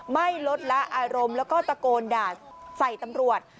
ไม่ลดละอารมณ์แล้วก็ตะโกนด่าใส่ตำรวจ